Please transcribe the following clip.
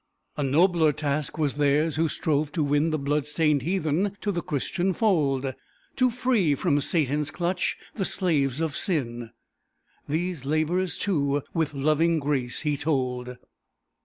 A nobler task was theirs who strove to win The blood stained heathen to the Christian fold; To free from Satan's clutch the slaves of sin; These labors, too, with loving grace he told.